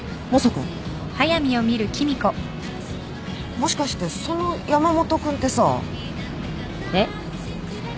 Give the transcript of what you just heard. もしかしてその山本君ってさ。えっ？